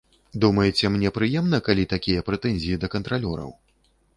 Думаеце, мне прыемна, калі такія прэтэнзіі да кантралёраў?